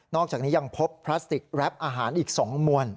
อกจากนี้ยังพบพลาสติกแรปอาหารอีก๒มวล